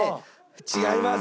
違います！